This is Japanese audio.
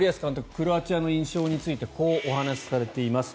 クロアチアの印象についてこうお話しされています。